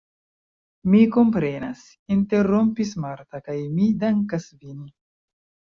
Mi komprenas, interrompis Marta, kaj mi dankas vin!